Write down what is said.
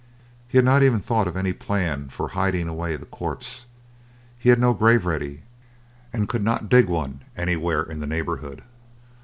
He had not even thought of any plan for hiding away the corpse. He had no grave ready, and could not dig one anywhere in the neighbourhood.